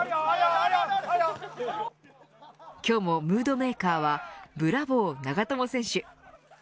今日もムードメーカーはブラボー長友選手。